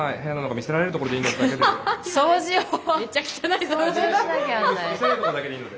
見せられる所だけでいいので。